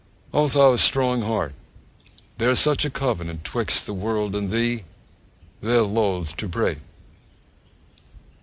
O! thou strong heart! There's such a covenant 'twixt the world and thee They're loth to break!